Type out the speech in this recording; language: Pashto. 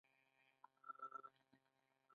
منم دی چې په افغانستان کي يي